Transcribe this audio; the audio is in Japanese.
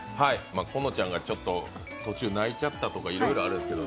このちゃんがちょっと途中、泣いちゃったとかいろいろあるんですけど。